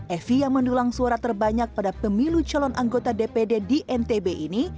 evi yang mendulang suara terbanyak pada pemilu calon anggota dpd di ntb ini